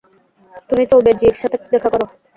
তুমি চৌবে জির সাথে দেখা করো।